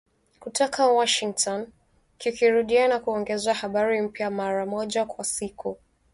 kutoka Washington, kikirudiwa na kuongezewa habari mpya, mara moja kwa siku.